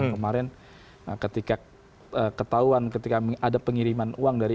kemarin ketika ketahuan ketika ada pengiriman uang dari